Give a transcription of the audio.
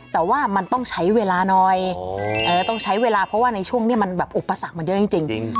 แต่ว่ามันต้องใช้เวลาหน่อยต้องใช้เวลาเพราะว่าในช่วงนี้มันแบบอุปสรรคมันเยอะจริง